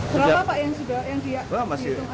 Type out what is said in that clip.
berapa pak yang dihitung asli